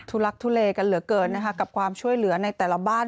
ลักทุเลกันเหลือเกินนะคะกับความช่วยเหลือในแต่ละบ้าน